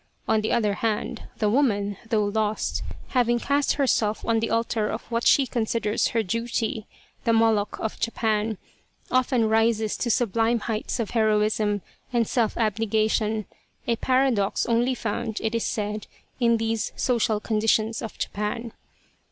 On the other hand, the woman, though lost, having cast herself on the altar of what she considers her duty the Moloch of Japan often rises to sublime heights of heroism and self abnegation, a paradox only found, it is said, in these social conditions of Japan.